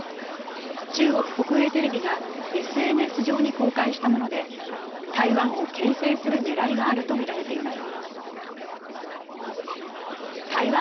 中国国営テレビがＳＮＳ上に公開したもので台湾をけん制する狙いがあるとみられています。